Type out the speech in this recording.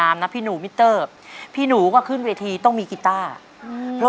ไม่รู้สึกยอดกับเหรอครับ